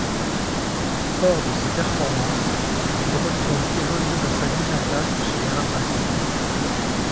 For de ses performances il retourne évolué dans sa ville natale chez les Rapaces.